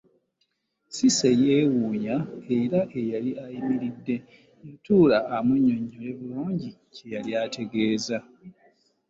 Cissy yeewuunya era eyali ayimiridde yatuula amunnyonnyole bulungi kye yali ategeeza.